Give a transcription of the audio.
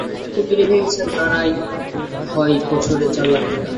তিনি সম্পত্তি রেখে গেছেন, তার আয় হয় বছরে চার লক্ষ টাকা।